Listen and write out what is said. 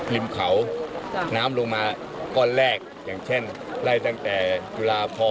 ริมเขาน้ำลงมาก้อนแรกอย่างเช่นไล่ตั้งแต่จุฬาพร